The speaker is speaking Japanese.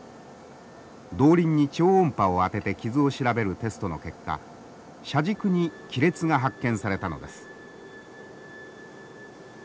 動輪に超音波をあてて傷を調べるテストの結果車軸に亀裂が発見されたのです。